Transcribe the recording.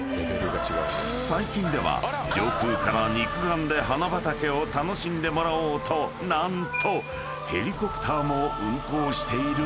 ［最近では上空から肉眼で花畑を楽しんでもらおうと何とヘリコプターも運航しているんだそう］